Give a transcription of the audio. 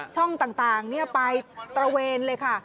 ช่องต่างไปตระเวนเลยค่ะ